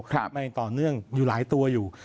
ไม่ต่อเนื่องอยู่หลายตัวอยู่